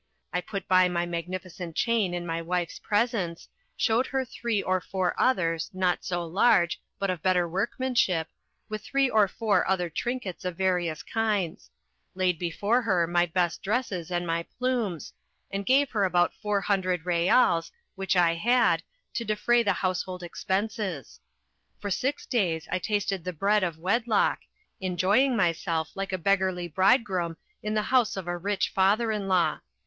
I put by my magnificent chain in my wife's presence; showed her three or four others, not so large, but of better workmanship, with three or four other trinkets of various kinds; laid before her my best dresses and my plumes, and gave her about four hundred reals, which I had, to defray the household expenses. For six days I tasted the bread of wedlock, enjoying myself like a beggarly bridegroom in the house of a rich father in law.